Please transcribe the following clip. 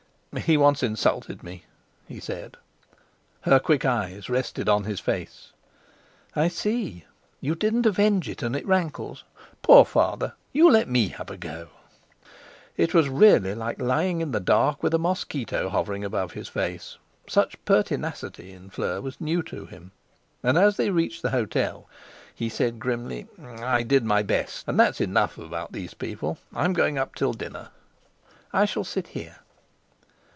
"He once insulted me," he said. Her quick eyes rested on his face. "I see! You didn't avenge it, and it rankles. Poor Father! You let me have a go!" It was really like lying in the dark with a mosquito hovering above his face. Such pertinacity in Fleur was new to him, and, as they reached the hotel, he said grimly: "I did my best. And that's enough about these people. I'm going up till dinner." "I shall sit here."